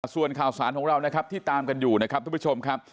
ส่วนข่าวสารของเรานะครับที่ตามกันอยู่นะครับทุกผู้ชมครับ